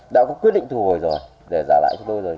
đã có quyết định thu hồi rồi để giả lại cho tôi rồi